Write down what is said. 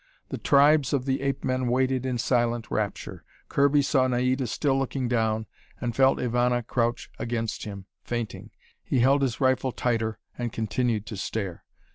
The tribes of the ape men waited in silent rapture. Kirby saw Naida still looking down, and felt Ivana crouch against him, fainting. He held his rifle tighter, and continued to stare.